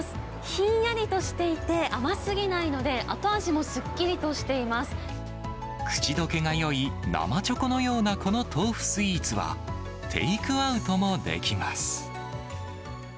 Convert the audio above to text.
ひんやりとしていて甘すぎないので、口どけがよい生チョコのようなこの豆腐スイーツは、テイクアウトもできます。